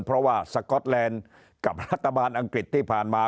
เพราะว่าสก๊อตแลนด์กับรัฐบาลอังกฤษที่ผ่านมา